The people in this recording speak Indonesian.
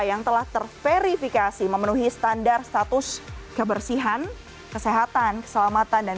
yang telah terverifikasi memenuhi standar status kebersihan kesehatan keselamatan dan